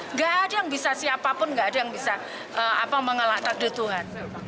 nggak ada yang bisa siapapun nggak ada yang bisa mengelak takdir tuhan